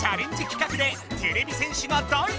かくでてれび戦士が大活躍！